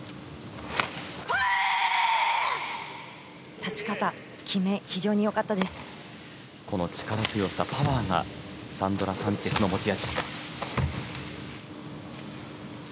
立ち方、決め、非常によかっこの力強さ、パワーがサンドラ・サンチェスの持ち味。